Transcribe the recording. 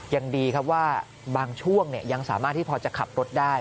ยังดีครับว่าบางช่วงยังสามารถที่พอจะขับรถได้